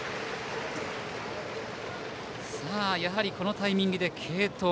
やはりこのタイミングで継投。